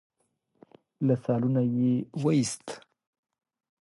له سالونه يې وايست.